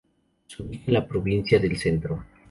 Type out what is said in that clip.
Se ubica en la Provincia del Centro.